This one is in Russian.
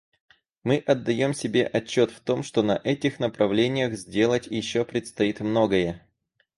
Мы отдаем себе отчет в том, что на этих направлениях сделать еще предстоит многое.